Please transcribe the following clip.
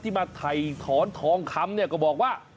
ที่มาไถ่ทอนทองคำนี่ก็บอกว่า